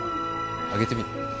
あげてみる？